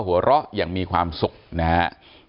หัวเราะยังมีความสุขนะฮะ